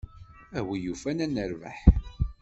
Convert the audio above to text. A win yufan ad nerbeḥ.